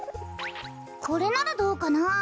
これならどうかなあ？